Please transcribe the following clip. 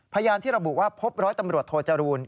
พยานที่ระบุว่าพบร้อยตำรวจโทจรูล